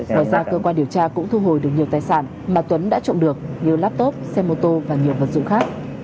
ngoài ra cơ quan điều tra cũng thu hồi được nhiều tài sản mà tuấn đã trộm được như laptop xe mô tô và nhiều vật dụng khác